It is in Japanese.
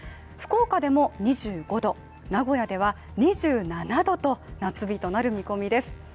福岡でも２５度、名古屋では２７度と夏日となる見込みです。